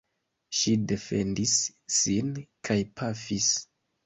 Ŝi defendis sin kaj pafis.